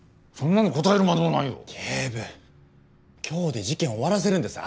今日で事件を終わらせるんです。